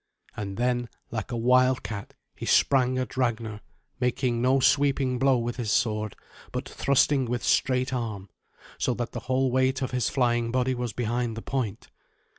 And then, like a wildcat, he sprang at Ragnar, making no sweeping blow with his sword, but thrusting with straight arm, so that the whole weight of his flying body was behind the point.